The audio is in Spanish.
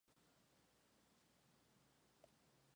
La floración se produce una sola vez por temporada.